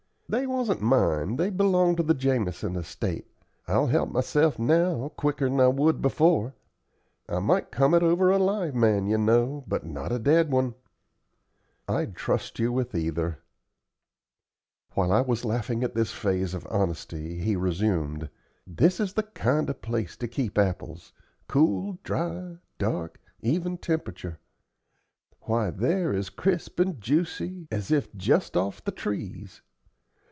"They wasn't mine they belonged to the Jamison estate. I'll help myself now quicker'n I would before. I might come it over a live man, you know, but not a dead one." "I'd trust you with either." While I was laughing at this phase of honesty, he resumed: "This is the kind of place to keep apples cool, dry, dark, even temperature. Why, they're as crisp and juicy as if just off the trees.